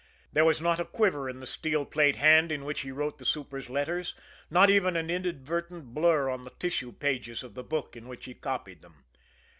There was not a quiver in the steel plate hand in which he wrote the super's letters, not even an inadvertent blur on the tissue pages of the book in which he copied them.